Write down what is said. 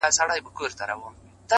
• څڼي سرې شونډي تكي تـوري سترگي؛